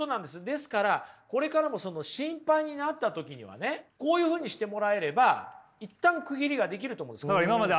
ですからこれからも心配になった時にはねこういうふうにしてもらえれば一旦区切りができると思うんです。